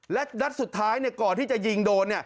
และนัดสุดท้ายก่อนที่จะยิงโดน